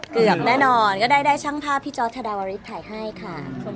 ก็ได้ช่างภาพพี่จ๊อสถดาวาริสห์ถ่ายให้ค่ะ